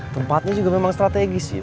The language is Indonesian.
tempatnya juga memang strategis ya